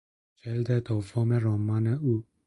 جلد دوم رمان او